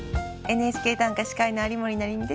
「ＮＨＫ短歌」司会の有森也実です。